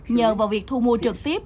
nhờ vào việc thu mua trực tiếp